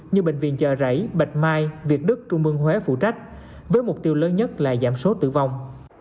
như bệnh viện chợ rẫy bạch mai việt đức trung mương huế phụ trách với mục tiêu lớn nhất là giảm số tử vong